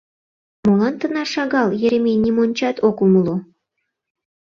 Молан тынар шагал — Еремей нимончат ок умыло.